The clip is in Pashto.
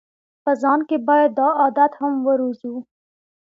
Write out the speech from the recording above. په ځان کې باید دا عادت هم وروزو.